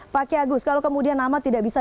pak kiagus kalau kemudian nama tidak bisa